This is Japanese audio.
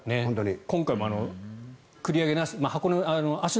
今回も繰り上げなし芦ノ